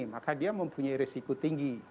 maka dia mempunyai resiko tinggi